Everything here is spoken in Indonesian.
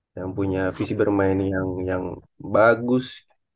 yang punya visi bermain yang bagus